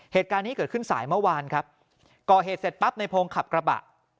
เหตุการณ์นี้เกิดขึ้นสายเมื่อวานครับก่อเหตุเสร็จปั๊บในพงศ์ขับกระบะ